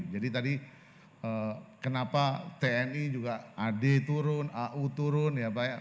jadi tadi kenapa tni juga ad turun au turun ya pak ya